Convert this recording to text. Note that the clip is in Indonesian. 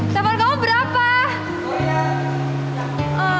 telepon kamu berapa